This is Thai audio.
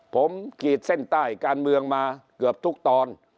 ผมขีดเส้นใต้การเมืองมาเกือบทุกตอน